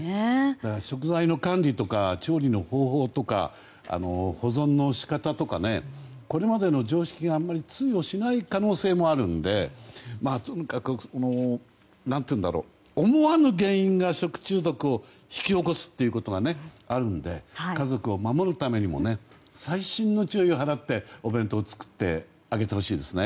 食材の管理とか調理の方法とか保存の仕方とかこれまでの常識が通用しない可能性もあるんでとにかく思わぬ原因が食中毒を引き起こすということがあるので家族を守るためにも細心の注意を払ってお弁当を作ってあげてほしいですね。